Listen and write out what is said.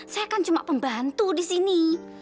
saya kan cuma pembantu disini